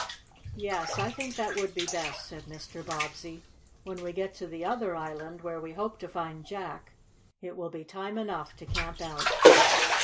"Yes, I think that would be best," said Mr. Bobbsey. "When we get to the other island, where we hope to find Jack, it will be time enough to camp out."